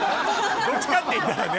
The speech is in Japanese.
どっちかっていったらね